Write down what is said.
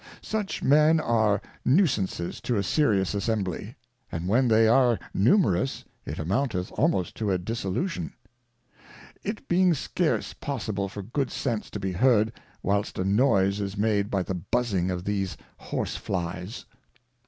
Such Men are Nusances to a serious Assembly ; and when they are Numerous, it amounteth almost to a Dissolution; it being scarce possible for good sence to be heard, whilst a noise is made by the buzzing of these Horse flies.